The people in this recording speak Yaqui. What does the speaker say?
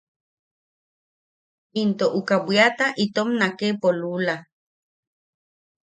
Into uka bwiata itom naknepo lula.